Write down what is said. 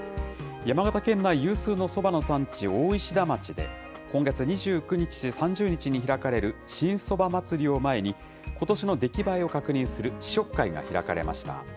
山形県内有数のそばの産地、大石田町で、今月２９日と３０日に開かれる新そばまつりを前に、ことしの出来栄えを確認する試食会が開かれました。